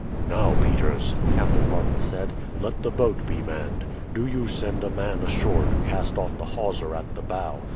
"Now, Peters," Captain Martin said, "let the boat be manned. Do you send a man ashore to cast off the hawser at the bow.